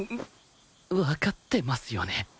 わかってますよね